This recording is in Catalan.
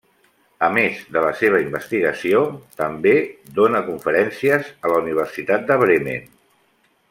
A més de la seva investigació, també dóna conferències a la Universitat de Bremen.